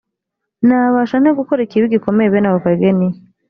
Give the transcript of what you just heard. nabasha nte gukora ikibi gikomeye bene ako kageni‽